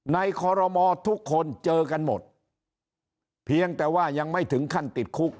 คอรมอทุกคนเจอกันหมดเพียงแต่ว่ายังไม่ถึงขั้นติดคุก